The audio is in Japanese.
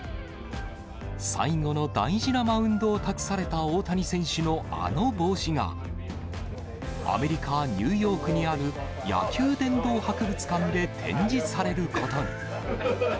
最後の大事なマウンドを託された大谷選手のあの帽子が、アメリカ・ニューヨークにある野球殿堂博物館で展示されることに。